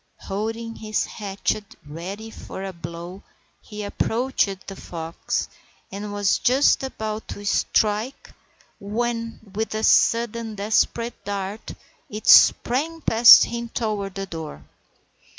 Holding his hatchet ready for a blow he approached the fox, and was just about to strike when, with a sudden desperate dart, it sprang past him toward the door.